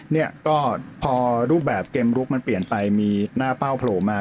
เนี่ยก็พอรูปแบบเกมลุกมันเปลี่ยนไปมีหน้าเป้าโผล่มา